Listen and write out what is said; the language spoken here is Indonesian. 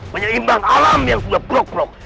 menyeimbang alam yang sudah blok blok